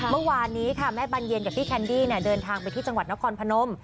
เมื่อวานนี้ค่ะแม่บรรเย็นกับพี่แคนดี้เดินทางไปที่จังหวัดนครพนม